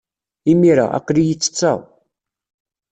Imir-a, aql-iyi ttetteɣ.